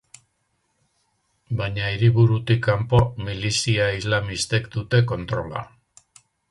Baina hiriburutik kanpo milizia islamistek dute kontrola.